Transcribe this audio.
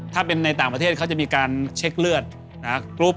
ถ้าเป็นในต่างประเทศเขาจะมีการเช็คเลือดกรุ๊ป